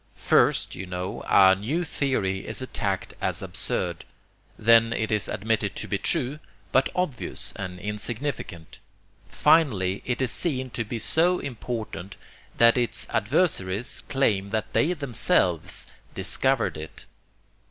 First, you know, a new theory is attacked as absurd; then it is admitted to be true, but obvious and insignificant; finally it is seen to be so important that its adversaries claim that they themselves discovered it.